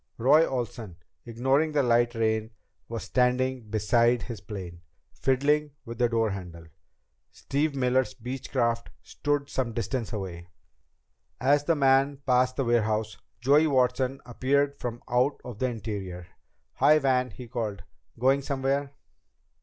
Roy Olsen, ignoring the light rain, was standing beside his plane, fiddling with the door handle. Steve Miller's Beechcraft stood some distance away. As the man passed the warehouse, Joey Watson appeared from out of the interior. "Hi, Van!" he called. "Going somewhere?"